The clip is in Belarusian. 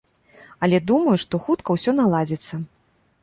Але думаю, што хутка ўсё наладзіцца.